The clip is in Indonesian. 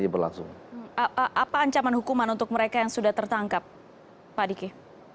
apa ancaman hukuman untuk mereka yang sudah tertangkap pak diki